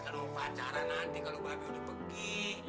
lo lupa cara nanti kalau babi udah pergi